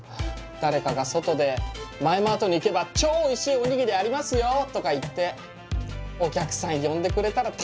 誰かが外でマエマートに行けば超おいしいおにぎりありますよとか言ってお客さん呼んでくれたら助かるのにな。